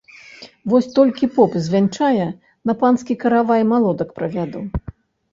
Вось толькі поп звянчае, на панскі каравай малодак прывяду.